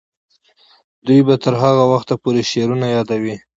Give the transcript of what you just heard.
دوی به تر هغه وخته پورې شعرونه یادوي.